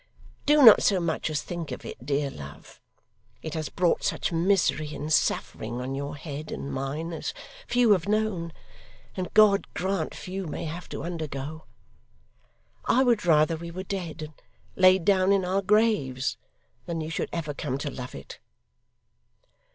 Do not so much as think of it, dear love. It has brought such misery and suffering on your head and mine as few have known, and God grant few may have to undergo. I would rather we were dead and laid down in our graves, than you should ever come to love it.